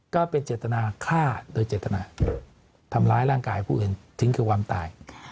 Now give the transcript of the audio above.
ก็เป็นเจตนาฆ่าโดยเจตนาทำร้ายร่างกายผู้อื่นทิ้งคือความตาย